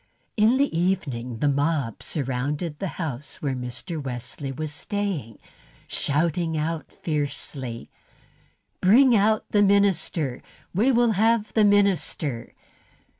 In the evening the mob surrounded the house where Mr. Wesley was staying, shouting out fiercely: "Bring out the minister! We will have the minister!"